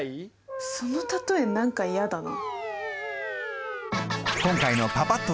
その例え何かやだな。